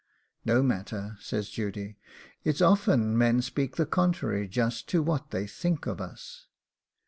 'No matter,' says Judy; 'it's often men speak the contrary just to what they think of us.